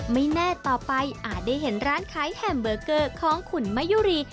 ไม่แน่ต่อไปอาจได้เห็นร้านขายแฮมเบอร์เกอร์ของขุนมะยุรี